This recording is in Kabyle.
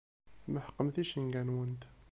Tmeḥqemt icenga-nwent.